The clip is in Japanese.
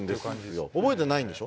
覚えてないんでしょ？